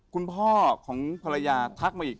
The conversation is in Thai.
คุณพ่อของภรรยาทักมาอีก